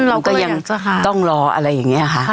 เราก็ยังต้องรออะไรอย่างนี้ค่ะ